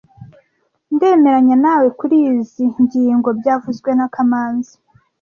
Ndemeranya nawe kurizoi ngingo byavuzwe na kamanzi